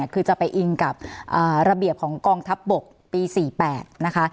คือจะไปอิงกับระเบียบของกองทัพบกปี๔๘นะคะ